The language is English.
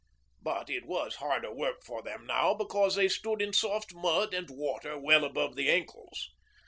But it was harder work for them now because they stood in soft mud and water well above the ankles.